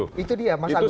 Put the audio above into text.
nah itu dia mas agus